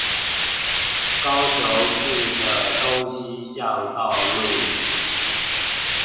高雄市的東西向道路